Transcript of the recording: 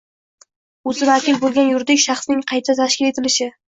o‘zi vakil bo‘lgan yuridik shaxsning qayta tashkil etilishi